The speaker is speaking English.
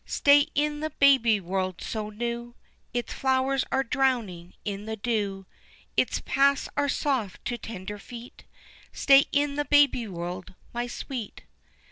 Stay in the baby world so new, Its flowers are drowning in the dew, Its paths are soft to tender feet, Stay in the baby world my sweet!